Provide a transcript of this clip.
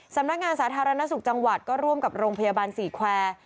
สาธารณสุขจังหวัดก็ร่วมกับโรงพยาบาลสี่แควร์